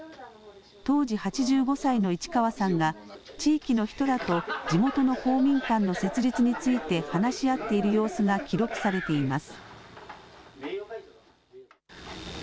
当時８５歳の市川さんが地域の人らと地元の公民館の設立について話し合っている様子が記録されています。